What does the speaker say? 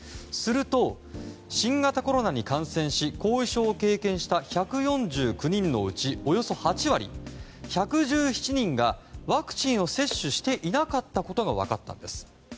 すると、新型コロナに感染し後遺症を経験した１４９人のうちおよそ８割の１１７人がワクチンを接種していなかったことが分かったんです。